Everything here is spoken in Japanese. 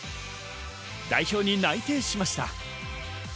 代表に内定しました。